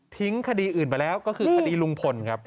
คดีอื่นไปแล้วก็คือคดีลุงพลครับ